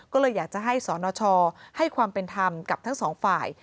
ก็เลยอยากจะให้สนชให้ความเป็นธรรมกับทั้งสองฝ่าย